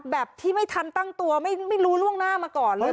แบบที่ไม่ทันตั้งตัวไม่รู้ล่วงหน้ามาก่อนเลย